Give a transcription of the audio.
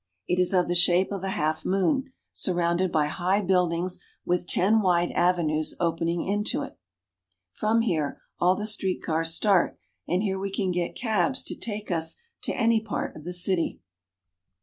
It is of the shape of a half moon, surrounded by high buildings, with ten wide avenues opening into it. From here all the street cars start, and here we can get cabs to take us to any part of the city.